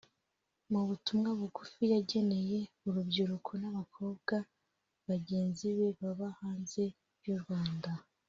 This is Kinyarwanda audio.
Mu butumwa bugufi yageneye urubyiruko n’abakobwa bagenzi be baba hanze y’u Rwanda